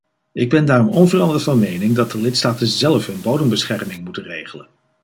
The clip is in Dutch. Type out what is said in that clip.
Ik ben daarom onveranderd van mening dat de lidstaten zelf hun bodembescherming moeten regelen.